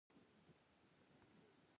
خور د خپلو جامو خیال ساتي.